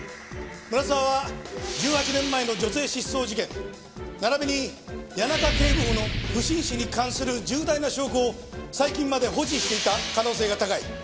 村沢は１８年前の女性失踪事件並びに谷中警部補の不審死に関する重大な証拠を最近まで保持していた可能性が高い。